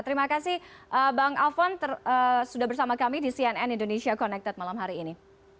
terima kasih bang alfon sudah bersama kami di cnn indonesia connected malam hari ini